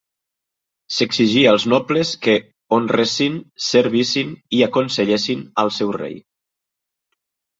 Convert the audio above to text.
S'exigia als nobles que honressin, servissin i aconsellessin al seu rei.